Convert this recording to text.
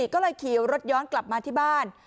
ก็เลยขี่รถย้อนกลับมาที่บ้าน